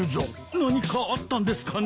何かあったんですかね。